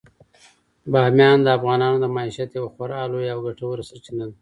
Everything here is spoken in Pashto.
بامیان د افغانانو د معیشت یوه خورا لویه او ګټوره سرچینه ده.